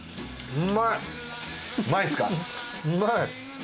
うまい！